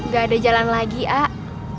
gak ada jalan lagi ak